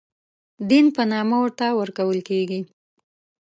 دین په نامه ورته ورکول کېږي.